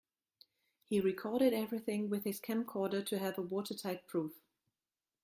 He recorded everything with his camcorder to have a watertight proof.